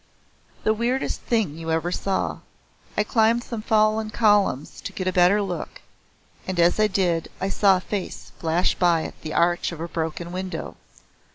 The weirdest thing you ever saw. I climbed some fallen columns to get a better look, and as I did I saw a face flash by at the arch of a broken window.